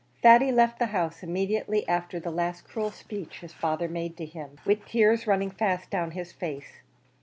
Thady left the house immediately after the last cruel speech his father made to him, with the tears running fast down his face.